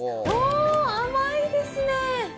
おー、甘いですね。